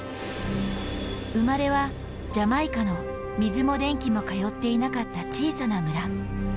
生まれはジャマイカの水も電気も通っていなかった小さな村。